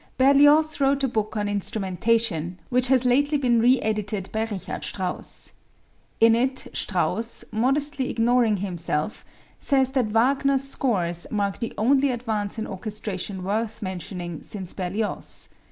Berlioz wrote a book on instrumentation, which has lately been re edited by Richard Strauss. In it Strauss, modestly ignoring himself, says that Wagner's scores mark the only advance in orchestration worth mentioning since Berlioz.